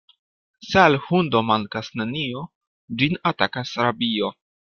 Se al hundo mankas nenio, ĝin atakas rabio.